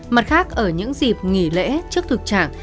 mặt khác ở những dịp nghỉ lễ trước thực trạng